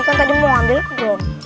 kan tadi mau ambil tuh